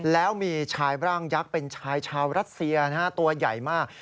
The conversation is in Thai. แล้วมีชายร่างยักษ์เป็นชายชาวรัสเซียตัวใหญ่มาก